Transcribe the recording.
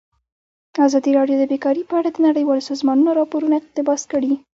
ازادي راډیو د بیکاري په اړه د نړیوالو سازمانونو راپورونه اقتباس کړي.